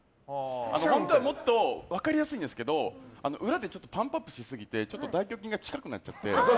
本当はもっと分かりやすいんですけど裏でパンプアップしすぎてちょっと大胸筋が近くなっちゃって。